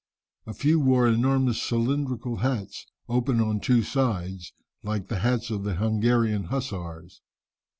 A few wore enormous cylindrical hats, open on two sides, like the hats of the Hungarian hussars.